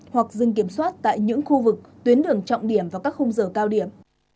hoặc dưng kiểm soát tại những khu vực tuyến đường trọng điểm và các khung giờ cao điểm